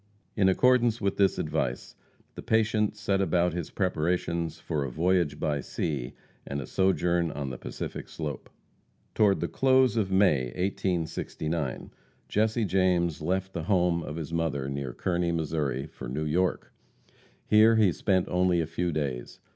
In accordance with this advice, the patient set about his preparations for a voyage by sea, and a sojourn on the Pacific slope. Toward the close of May, 1869, Jesse James left the home of his mother near Kearney, Missouri, for New York. Here he spent only a few days.